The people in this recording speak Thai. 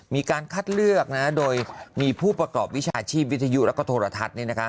มีการคัดเลือกโดยมีผู้ประกอบวิชาชีพวิทยุและโทรทัศน์